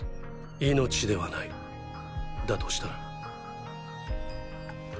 命ではないだとしたら？